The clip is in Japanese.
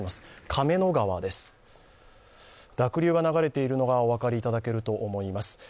亀の川です、濁流が流れているのがお分かりいただけると思います。